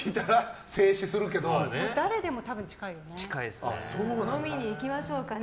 誰でも多分、近いよね。